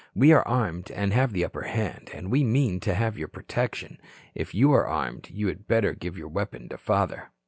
We are armed and have the upper hand, and we mean to have your protection. If you are armed, you had better give your weapon to father."